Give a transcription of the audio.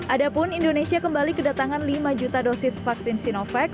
adapun indonesia kembali kedatangan lima juta dosis vaksin sinovac